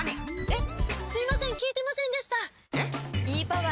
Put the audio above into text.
えっ？